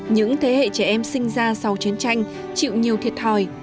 những thế hệ trẻ em sinh ra sau chiến tranh chịu nhiều thiệt thòi